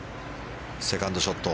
セカンドショット。